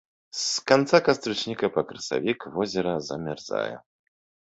З канца кастрычніка па красавік возера замярзае.